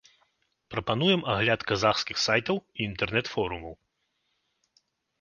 Прапануем агляд казахскіх сайтаў і інтэрнэт-форумаў.